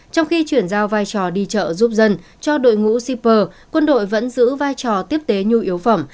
trong khi chuyển giao vai trò đi chợ giúp dân cho đội ngũ shipper quân đội vẫn giữ vai trò tiếp tế nhu yếu phẩm